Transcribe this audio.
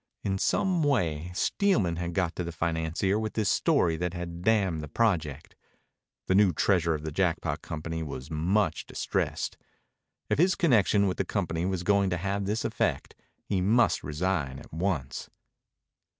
In some way Steelman had got to the financier with this story that had damned the project. The new treasurer of the Jackpot Company was much distressed. If his connection with the company was going to have this effect, he must resign at once.